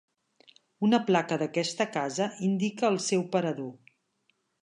Una placa d’aquesta casa indica el seu parador.